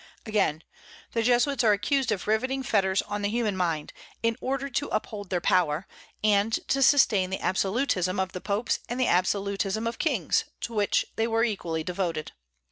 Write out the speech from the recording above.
Again, the Jesuits are accused of riveting fetters on the human mind in order to uphold their power, and to sustain the absolutism of the popes and the absolutism of kings, to which they were equally devoted.